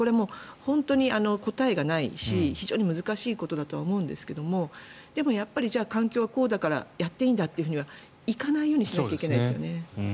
本当に答えがないし非常に難しいことだと思うんですがでも、環境はこうだからやっていいんだとはいかないようにしなきゃいけないですよね。